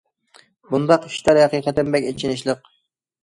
بۇنداق ئىشلار ھەقىقەتەن بەك ئېچىنىشلىق.